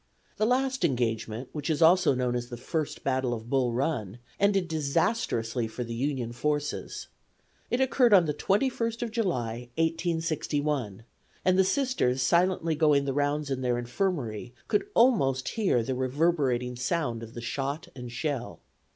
The last engagement, which is also known as the first battle of Bull Run, ended disastrously for the Union forces. It occurred on the 21st of July, 1861, and the Sisters silently going the rounds in their infirmary could almost hear the reverberating sound of the shot and shell.